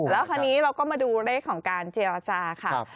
แล้วคราวนี้เราก็มาดูเลขของการเจรจาค่ะ